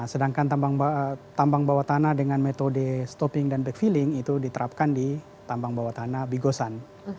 sedangkan tambang bawah tanah dengan metode stopping dan backfilling itu diterapkan di tambang bawah tanah bigosan